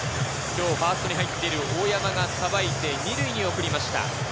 今日、ファーストに入っている大山がさばいて２塁に送りました。